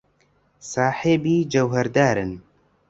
ساحێبی جەوهەردارن.